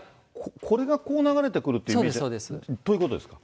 これがこう流れてくるということですか。